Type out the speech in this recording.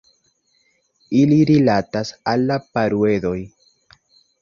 Ili rilatas al la Paruedoj.